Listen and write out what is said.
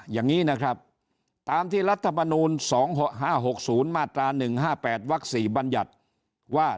อย่างนี้นะครับตามที่รัฐมนูล๒๕๖๐มาตรา๑๕๘วัก๔บัญญัติว่า